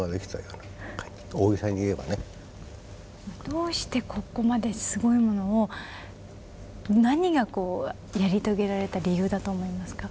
どうしてここまですごいものを何がこうやり遂げられた理由だと思いますか？